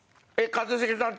一茂さん